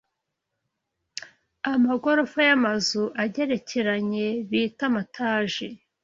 Amagorofa n’ amazu agerekeranye bita amataji